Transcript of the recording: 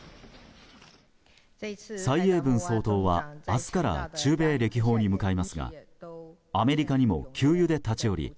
蔡英文総統は明日から中米歴訪に向かいますがアメリカにも給油で立ち寄り